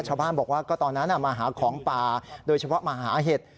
ชาวบ้านบอกว่าก็ตอนนั้นมาหาของป่าโดยเฉพาะมาหาเห็ด